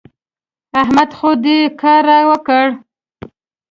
احمد خو دې کار را وکړ.